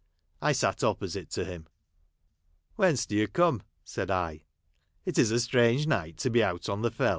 I sat opposite to him. " Whence do you come ?" said I. " It is a strange night to be out on the fells."